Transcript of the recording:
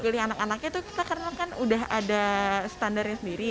pilih anak anaknya itu kita karena kan udah ada standarnya sendiri